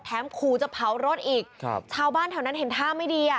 ขู่จะเผารถอีกครับชาวบ้านแถวนั้นเห็นท่าไม่ดีอ่ะ